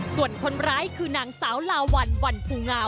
ส่วนคนร้ายคือนางสาวลาวัลวันภูงาม